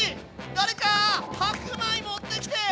誰か白米持ってきて！